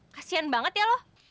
kasian banget ya lo